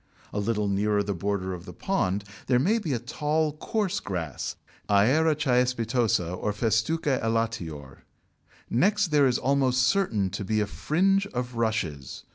A little nearer the border of the pond, there may be a tall coarse grass (Aira caespitosa or Festuca elatior). Next there is almost certain to be a fringe of Rushes.